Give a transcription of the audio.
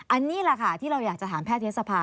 อันนี้แหละค่ะที่เราอยากจะถามแพทยศภา